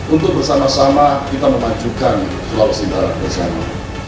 untuk bersama sama kita memajukan sulawesi barat bersama